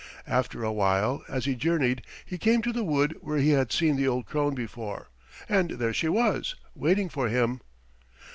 After a while as he journeyed he came to the wood where he had seen the old crone before, and there she was, waiting for him.